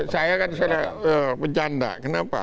saya kan sudah bercanda kenapa